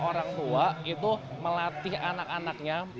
orang tua itu melatih anak anaknya